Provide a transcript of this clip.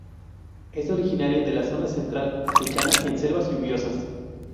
Es originario de la zona central africana, en selvas lluviosas.